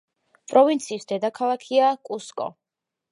პროვინციის დედაქალაქია კუსკო.